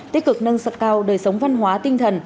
tích cực nâng sập cao đời sống văn hóa tinh thần